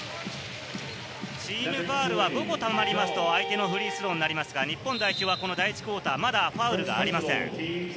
チームファウルは５個たまりますと相手のフリースローになりますが、日本代表はこの第１クオーター、まだファウルがありません。